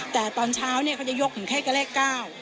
แต่ตอนเช้าเนี่ยเขาจะยกถึงแค่กับเลข๙